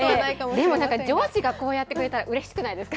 でもなんか、上司がこうやってくれたらうれしくないですか？